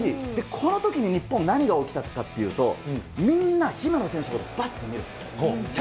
このときに日本、何が起きたかっていうと、みんな姫野選手のほうをばって見るんですよ。